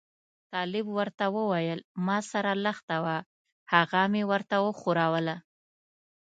طالب ورته وویل ما سره لښته وه هغه مې ورته وښوروله.